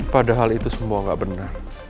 padahal itu semua tidak benar